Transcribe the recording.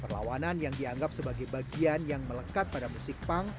perlawanan yang dianggap sebagai bagian yang melekat pada musik punk